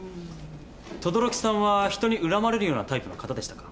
等々力さんは人に恨まれるようなタイプの方でしたか？